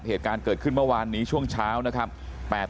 เหตุการณ์เกิดขึ้นเมื่อวานนี้ช่วงเช้านะครับ